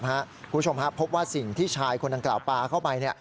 คุณผู้ชมครับพบว่าสิ่งที่ชายคนดังกล่าวปลาเข้าไป